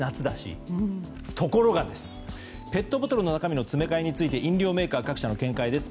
ところが、ペットボトルの中身の詰め替えに関して飲料メーカー各社の見解です。